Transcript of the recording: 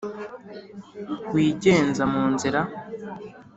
Wigenza mu nzira